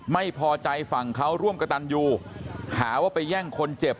ไม่พอใจฝั่งเขาร่วมกระตันยูหาว่าไปแย่งคนเจ็บ